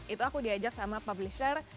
itu aku diajak sama publisher